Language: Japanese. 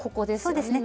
そうですね。